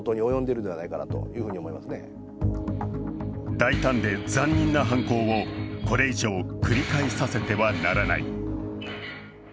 大胆で残忍な犯行をこれ以上繰り返させてはならない。